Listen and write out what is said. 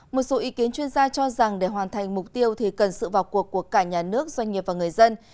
một số ý kiến chuyên gia cho rằng để hoàn thành mục tiêu thì cần sự vào cuộc của cả nhà nước doanh nghiệp và người dân